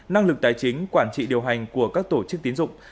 năng lực tài chính quản trị điều hành của các tổ chức tín dụng